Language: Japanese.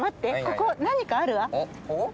ここ何かあるわ。